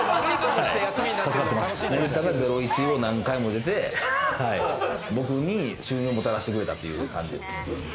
森田が『ゼロイチ』に何回も出て、僕に収入をもたらしてくれたという感じです。